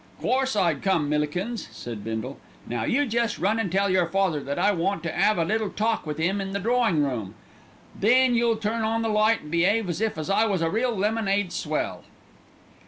"Course I'd come, Millikins," said Bindle. "Now you jest run and tell your father that I want to 'ave a little talk with 'im in the drawing room, then you'll turn on the light an' be'ave as if I was a real lemonade swell."